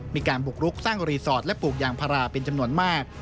มีการบุกรุกสร้างรีสอร์ทและปลูกยางพาราเป็นจำนวนมาก